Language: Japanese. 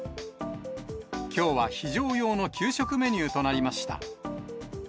きょうは非常用の給食メニューとなりました。